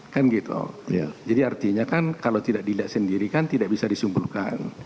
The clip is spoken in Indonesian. kan gitu jadi artinya kan kalau tidak dilihat sendiri kan tidak bisa disumpulkan